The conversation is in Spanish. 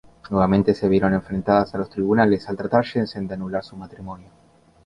Nuevamente se vieron enfrentadas a los tribunales al tratar Jensen de anular su matrimonio.